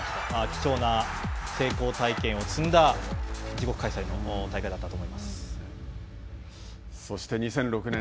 貴重な成功体験を積んだ自国開催の大会だったと思います。